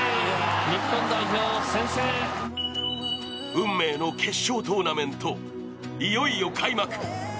運命の決勝トーナメントいよいよ開幕。